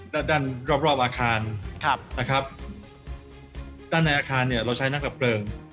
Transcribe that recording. รถกระเช้าอาคารด้านในอาคารเราใช้นักดับเปลิง